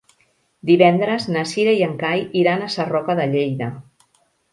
Divendres na Cira i en Cai iran a Sarroca de Lleida.